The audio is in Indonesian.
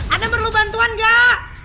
adam perlu bantuan gak